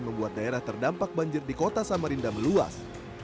membuat daerah terdampak banjir di kota samarinda meluas